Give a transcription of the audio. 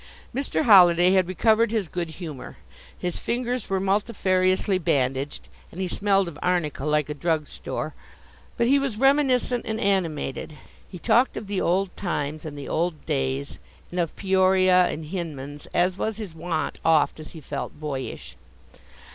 Mr. Holliday had recovered his good humor. His fingers were multifariously bandaged and he smelled of arnica like a drug store. But he was reminiscent and animated. He talked of the old times and the old days, and of Peoria and Hinman's, as was his wont oft as he felt boyish.